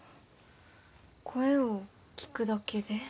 声を聞くだけで？